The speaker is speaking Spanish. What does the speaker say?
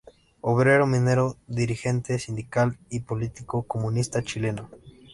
Obrero minero, dirigente sindical y político comunista chileno.